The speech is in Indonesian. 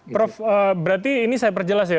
prof berarti ini saya perjelas ya